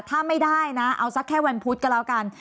ถ้าไม่ได้นะเอาสักแค่วันพุธก็แล้วกัน